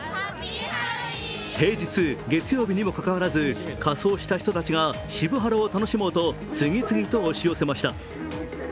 平日、月曜日にもかかわらず仮装した人たちが渋ハロを楽しもうと次々と押し寄せました。